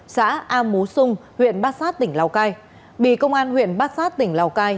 xã a mú xung huyện bát sát tỉnh lào cai bị công an huyện bát sát tỉnh lào cai